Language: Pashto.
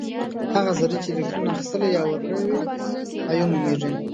هغه ذرې چې الکترون اخیستلی یا ورکړی وي ایون نومیږي.